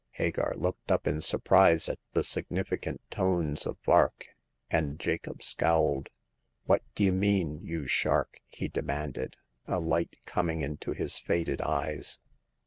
Hagar looked up in surprise at the significant tones of Vark, and Jacob scowled. What d'ye mean, you shark?" he demanded, a light com ing into his faded eyes.